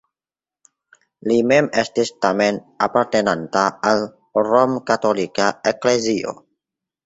Li mem estis tamen apartenanta al romkatolika eklezio.